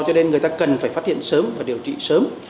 cho nên người ta cần phải phát hiện sớm và điều trị sớm